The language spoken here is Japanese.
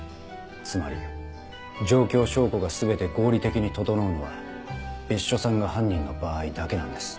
つまり状況証拠が全て合理的に整うのは別所さんが犯人の場合だけなんです。